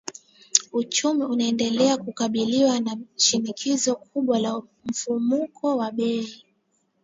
Uchumi unaendelea kukabiliwa na shinikizo kubwa la mfumuko wa bei